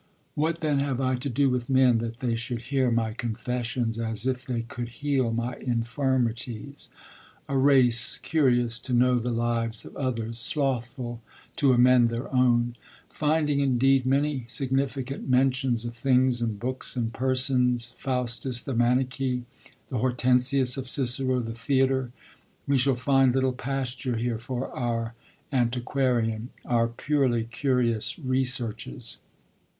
'What, then, have I to do with men, that they should hear my confessions as if they could heal my infirmities, a race curious to know the lives of others, slothful to amend their own?' Finding, indeed, many significant mentions of things and books and persons, Faustus the Manichee, the 'Hortensius' of Cicero, the theatre, we shall find little pasture here for our antiquarian, our purely curious, researches.